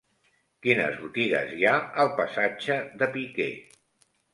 Quines botigues hi ha al passatge de Piquer?